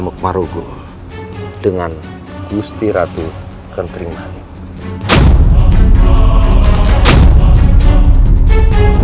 apakah dia keluar mengikuti sanctum lord daya atau tidak